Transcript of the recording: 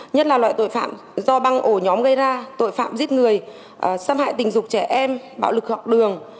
nhất là loại tội phạm do băng ổ nhóm gây ra tội phạm giết người xâm hại tình dục trẻ em bạo lực học đường